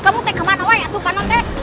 kamu mau kemana ya atu panon